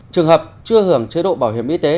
trường hợp chưa hưởng chế độ bảo hiểm y tế